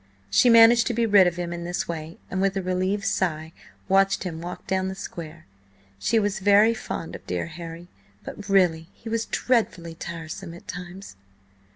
She managed to be rid of him in this way, and, with a relieved sigh, watched him walk down the square. She was very fond of dear Harry, but really, he was dreadfully tiresome at times.